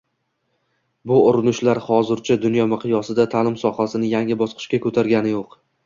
Bu urinishlar hozircha dunyo miqyosida ta’lim sohasini yangi bosqichga ko‘targani yo‘q